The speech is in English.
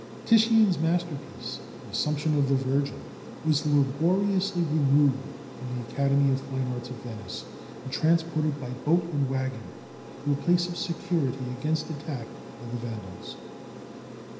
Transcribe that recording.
Titian's masterpiece, the "Assumption of the Virgin," was laboriously removed from the Academy of Fine Arts at Venice and transported by boat and wagon to a place of security against attack by the Vandals.